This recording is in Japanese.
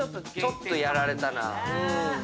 ちょっとやられたな。